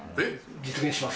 実現します！